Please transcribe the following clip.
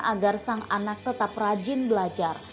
agar sang anak tetap rajin belajar